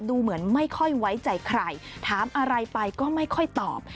ดูเหมือนไม่ค่อยไว้ใจใครถามอะไรไปก็ไม่ค่อยตอบ